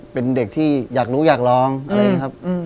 เป็นเด็กที่อยากรู้อยากร้องอะไรอย่างนี้ครับ